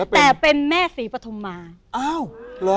แต่เป็นแม่ศรีปัฒนมาง